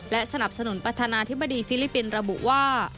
และศนับสนุนปัฒนาธิบดีฟิลิปินระบุว่า